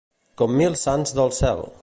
Com mil sants del cel.